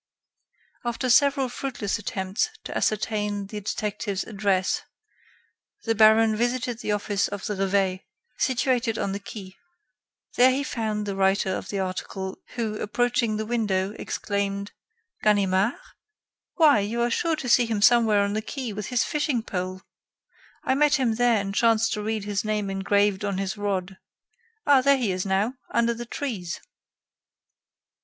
After several fruitless attempts to ascertain the detective's address, the baron visited the office of the 'Reveil,' situated on the quai. There he found the writer of the article who, approaching the window, exclaimed: "Ganimard? Why, you are sure to see him somewhere on the quai with his fishing pole. I met him there and chanced to read his name engraved on his rod. Ah, there he is now, under the trees."